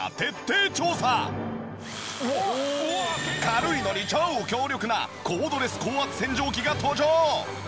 軽いのに超強力なコードレス高圧洗浄機が登場！